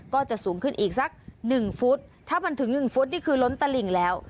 ก็จะสูงขึ้นอีกซัก๑ฟู้ดถ้ามันถึง๑ฟู้ดแม้วันนี้คือล้นตะหลิงแล้ว